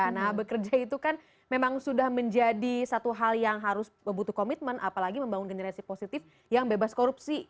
nah bekerja itu kan memang sudah menjadi satu hal yang harus butuh komitmen apalagi membangun generasi positif yang bebas korupsi